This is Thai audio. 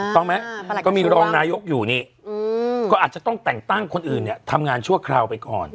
ต้องไหมก็มีรองนายกอยู่นี่ก็อาจจะต้องแต่งตั้งคนอื่นเนี่ยทำงานชั่วคราวไปก่อน